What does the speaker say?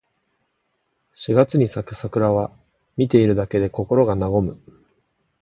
四月に咲く桜は、見ているだけで心が和む。